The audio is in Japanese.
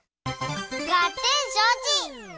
がってんしょうち！